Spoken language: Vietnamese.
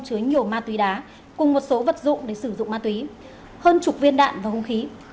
chứa nhiều ma túy đá cùng một số vật dụng để sử dụng ma túy hơn chục viên đạn và hung khí